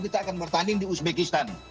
kita akan bertanding di uzbekistan